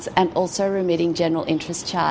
dan juga mengambil tarif keuntungan utama